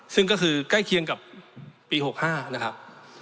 ซึ่งก็คือใกล้เคียงกับปี๖๕นะครับ